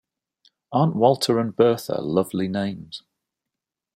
Aren’t Walter and Bertha lovely names?